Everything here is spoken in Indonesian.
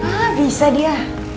ah bisa dia